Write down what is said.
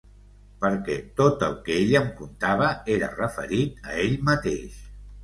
Perquè tot el que ell em contava era referit a ell mateix.